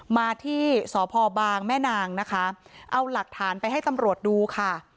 มาที่สพบางแม่นางนะคะเอาหลักฐานไปให้ตำรวจดูค่ะ